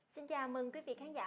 xin chào mừng quý vị khán giả